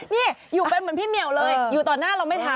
นี่อยู่เป็นเหมือนพี่เหมียวเลยอยู่ต่อหน้าเราไม่ทัน